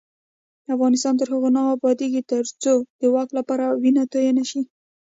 افغانستان تر هغو نه ابادیږي، ترڅو د واک لپاره وینه تویه نشي.